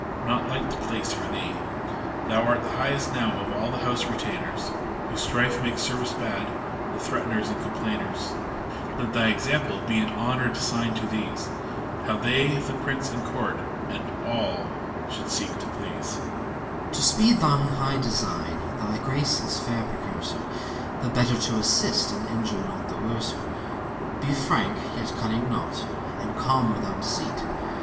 — not light the placoi for thee. Thou art the highest now of all the house retainers Whose strife makes service bad, — ^the threateners and complainers : Let thy example be an honored sign to these, How they the Prince and Court, and all, should see]^> to please ! ARCH CHAICBERLAIN. To speed thy high design, thy grace is fair precursor: The Better to assist, and injure not the Worser, — Be frank, yet cunning not, and calm without deceit